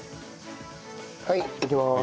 はいいきます。